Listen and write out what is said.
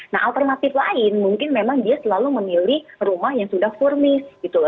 nah alternatif lain mungkin memang dia selalu memilih rumah yang sudah furnished